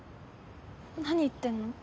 何言ってんの？